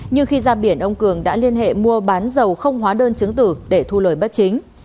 nhưng khi ra biển ông cường đã liên hệ mua bán dầu không hóa đơn chứng tử để thu lời bất chính